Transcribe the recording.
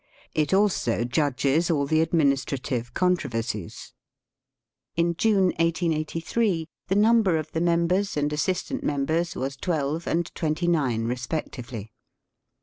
It also judges all the administrative controversies. In June, 1883, the number of the members and assis tant members was twelve and twenty nine respectively.